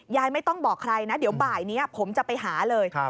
ไม่ต้องบอกใครนะเดี๋ยวบ่ายนี้ผมจะไปหาเลย